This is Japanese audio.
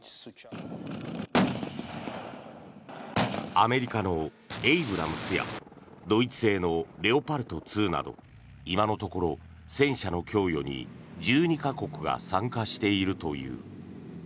アメリカのエイブラムスやドイツ製のレオパルト２など今のところ戦車の供与に１２か国が参加しているという。